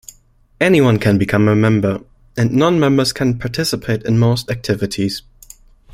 Anyone can become a member and non-members can participate in most activities.